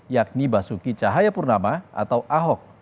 yakni basuki cahayapurnama atau ahok